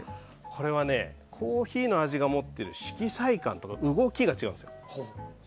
これはコーヒーの持っている色彩感と動きが違うんです。